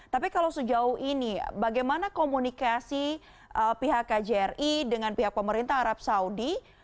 tapi kalau sejauh ini bagaimana komunikasi pihak kjri dengan pihak pemerintah arab saudi